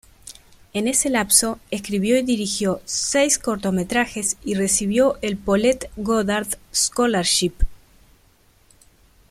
En ese lapso escribió y dirigió seis cortometrajes y recibió el Paulette Goddard Scholarship.